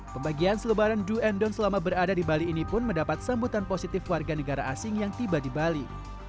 pembagian selebaran do and don selama berada di bali ini pun mendapat sambutan positif warga negara asing yang tiba di bali